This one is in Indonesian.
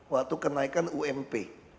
waktu kenaikan ump